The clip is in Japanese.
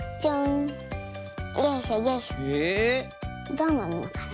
どうなんのかな。